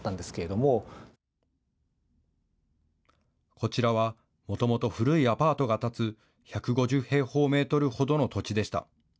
こちらは、もともと古いアパートが建つ１５０平方メートルほどの土地でした。